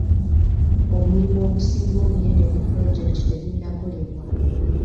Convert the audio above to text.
Omulimu ogusinga obunene ku pulojekiti tegunnakolebwa..